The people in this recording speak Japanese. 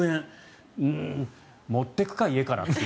うーん、持っていくか家からと。